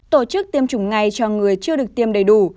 tổ chức tiêm chủng ngay cho người chưa được tiêm đầy đủ